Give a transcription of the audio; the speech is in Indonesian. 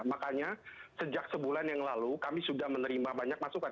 makanya sejak sebulan yang lalu kami sudah menerima banyak masukan